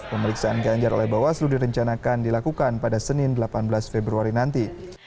pemeriksaan ganjar oleh bawaslu direncanakan dilakukan pada senin delapan belas februari nanti